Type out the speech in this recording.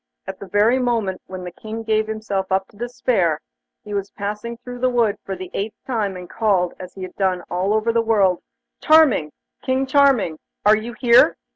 At the very moment when the King gave himself up to despair, he was passing through the wood for the eighth time, and called, as he had done all over the world: 'Charming! King Charming! Are you here?